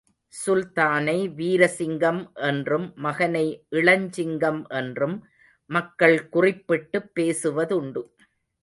சுல்தானை வீரசிங்கம் என்றும் மகனை இளஞ்சிங்கம் என்றும் மக்கள் குறிப்பிட்டுப் பேசுவதுண்டு.